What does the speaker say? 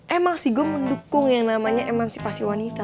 emang sih gue mendukung yang namanya emansipasi wanita